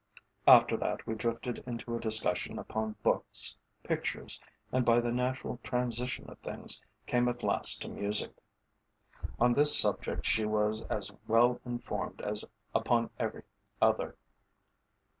After that we drifted into a discussion upon books, pictures, and, by the natural transition of things, came at last to music. On this subject she was as well informed as upon every other.